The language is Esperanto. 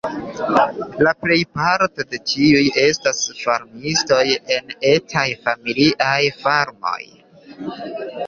La plejparto de tiuj estas farmistoj en etaj familiaj farmoj.